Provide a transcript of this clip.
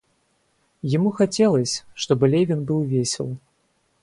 Ему хотелось, чтобы Левин был весел.